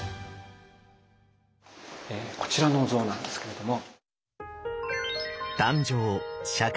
こちらのお像なんですけれども。